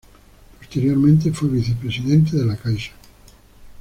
Posteriormente fue Vicepresidente de La Caixa.